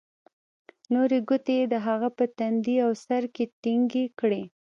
نورې گوتې يې د هغه په تندي او سر کښې ټينگې کړې.